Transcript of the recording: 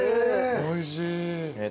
おいしい。